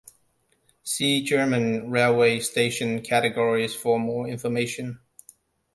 See German railway station categories for more information.